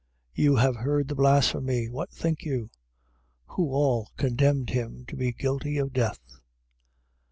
14:64. You have heard the blasphemy. What think you? Who all condemned him to be guilty of death.